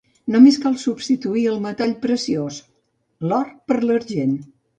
Només cal substituir el metall preciós: l'or per l'argent.